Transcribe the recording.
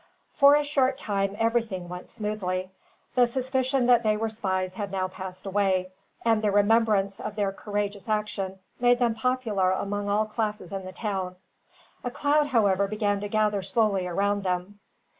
For a short time everything went smoothly. The suspicion that they were spies had now passed away, and the remembrance of their courageous action made them popular among all classes in the town. A cloud, however, began to gather slowly round them.